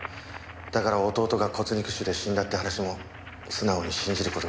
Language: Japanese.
だから弟が骨肉腫で死んだって話も素直に信じる事が出来たんだ。